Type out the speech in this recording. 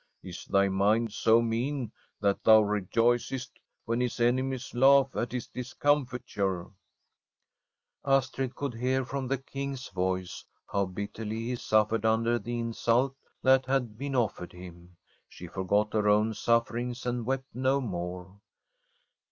Is thy mind so mean that thou rejoicest when his enemies laugh at his discom fiture ?' Astrid could hear from the King's voice how bitterly he suffered under the insult that had been offered him. She forgot her own suffer ings, and wept no more.